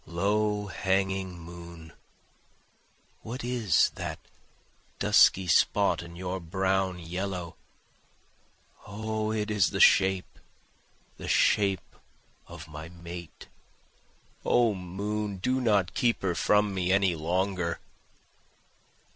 Low hanging moon! What is that dusky spot in your brown yellow? O it is the shape, the shape of my mate.' O moon do not keep her from me any longer.